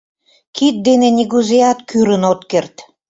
Кид дене нигузеат кӱрын от керт.